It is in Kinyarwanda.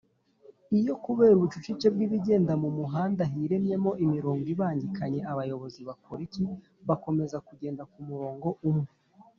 iyo kubera ubucucike bwibigenda mumuhanda hirenyemo imirongo ibangikanye abayobozi bakora ik?bakomeza kugenda kumurongo umwe